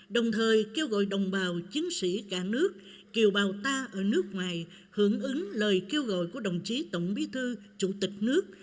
đồng thời kêu gọi đồng bào chiến sĩ cả nước kiều bào ta ở nước ngoài hưởng ứng lời kêu gọi của đồng chí tổng bí thư chủ tịch nước